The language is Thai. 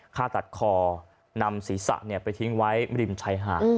ฆ่าตัดคอนำศีรษะไปทิ้งไว้ริมชายหาด